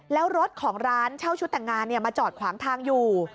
แล้วรถของร้านเช่าชุดแต่งงานมาจอดขวางทางอยู่